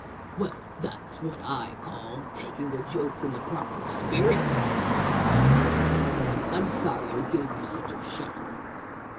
"Well, that's what I call taking a joke in the proper spirit," smiled Buster. "I'm sorry I gave you such a shock."